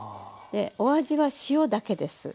お味は塩だけです。